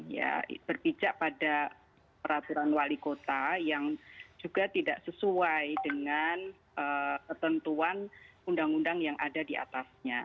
ya berpijak pada peraturan wali kota yang juga tidak sesuai dengan ketentuan undang undang yang ada di atasnya